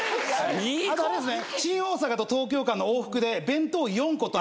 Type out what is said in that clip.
あとあれですね。